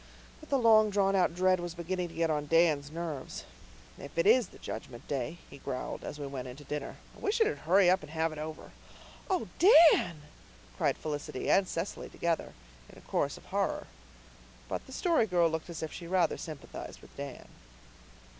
But the long drawn out dread was beginning to get on Dan's nerves. "If it is the Judgment Day," he growled, as we went in to dinner, "I wish it'd hurry up and have it over." "Oh, Dan!" cried Felicity and Cecily together, in a chorus of horror. But the Story Girl looked as if she rather sympathized with Dan.